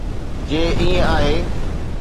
جي ائين آهي.